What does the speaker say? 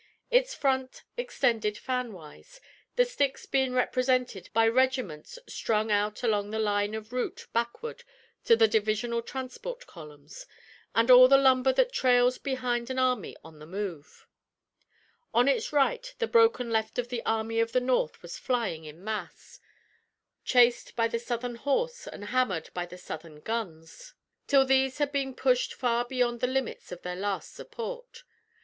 Its front extended fanwise, the sticks being represented by regiments strung out along the line of route backward to the divisional transport columns, and all the lumber that trails behind an army on the move. On its right the broken left of the Army of the North was flying in mass, chased by the Southern horse and hammered by the Southern guns, till these had been pushed far beyond the limits of their last support.